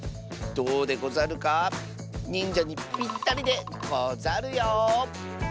どうでござるか？にんじゃにぴったりでござるよ。